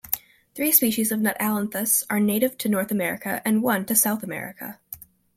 Three species of "Nuttallanthus" are native to North America and one to South America.